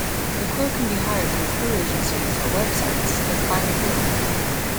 The crew can be hired through crew agencies or websites like Find a Crew.